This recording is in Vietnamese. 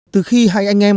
từ khi hai anh thành